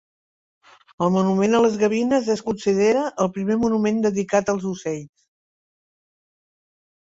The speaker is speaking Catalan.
El Monument a les Gavines es considera el primer monument dedicat als ocells.